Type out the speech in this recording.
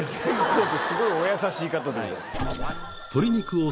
すごいお優しい方で。